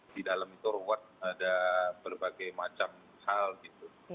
di dalam itu ruwet ada berbagai macam hal gitu